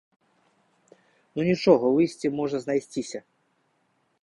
Ну, нічога, выйсце можа знайсціся.